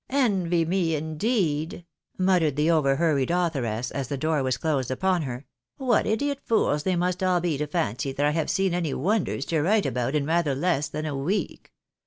" Envy me, indeed !" muttered the over hurried authoress, as the door was closed upon her ;" what idiot fools they must all be to fancy that I have seen any wonders to write about in rather less than a week.